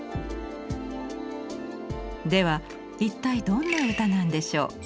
では一体どんな歌なんでしょう。